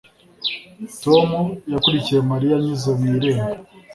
Tom yakurikiye Mariya anyuze mu irembo